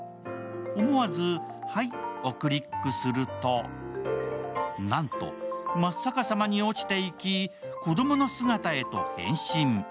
思わず「はい」をクリックするとなんと真っ逆さまに落ちていき、子供の姿へと変身。